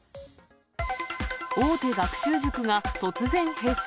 大手学習塾が突然閉鎖。